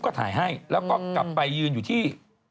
ก็ถ่ายให้แล้วก็กลับไปยืนอยู่ที่